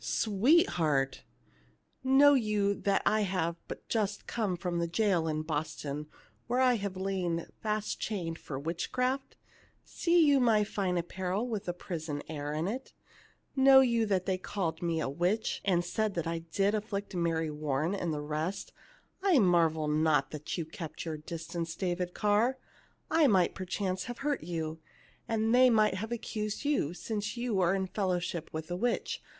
" Sweetheart !"" Know you that I have but just come from the jail in Boston, where I have lain fast chained for witchcraft ? See you my fine apparel with the prison air in it ? Know you that they called 248 THE LITTLE MAID AT THE DOOR me a witch, and said that I did afflict Mary War ren and the rest ? I marvel not that you kept your distance, David Carr ; I might perchance have hurt you, and they might have accused you, since you were in fellowship with a witch.